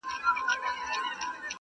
پيشو پوه سول چي موږك جنگ ته تيار دئ!!